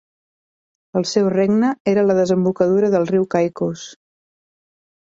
El seu regne era a la desembocadura del riu Caicos.